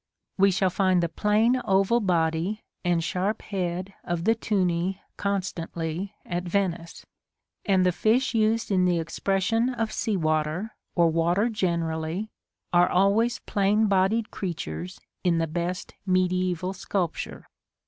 We shall find the plain oval body and sharp head of the Thunny constantly at Venice; and the fish used in the expression of sea water, or water generally, are always plain bodied creatures in the best mediæval sculpture.